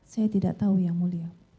saya tidak tahu yang mulia